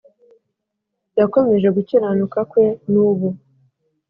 Yakomeje gukiranuka kwe n’ubu,